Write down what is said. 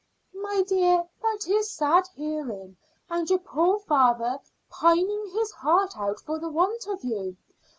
"My dear, that is sad hearing; and your poor father pining his heart out for the want of you."